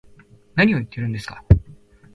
何を言ってるんですか